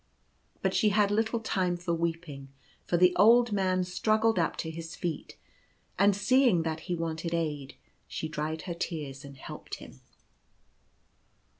But she had little time for weeping, for the old man struggled up to his feet, and, seeing that he wanted aid, she dried her tears and helped him.